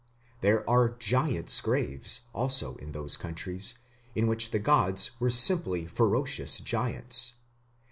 There are "giants' graves" also in those countries in which the gods were simply ferocious giants.